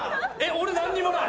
俺何にもない。